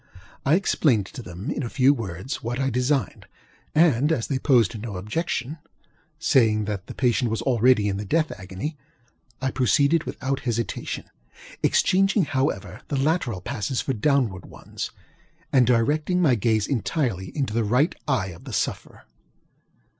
I explained to them, in a few words, what I designed, and as they opposed no objection, saying that the patient was already in the death agony, I proceeded without hesitationŌĆöexchanging, however, the lateral passes for downward ones, and directing my gaze entirely into the right eye of the sufferer.